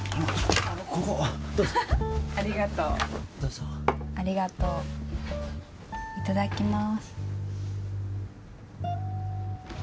ここどうぞありがとういただきます